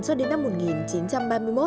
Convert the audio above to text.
cho đến năm một nghìn chín trăm ba mươi một